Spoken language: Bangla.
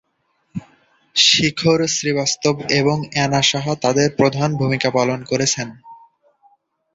শিখর শ্রীবাস্তব এবং এনা সাহা তাদের প্রধান ভূমিকা পালন করেছেন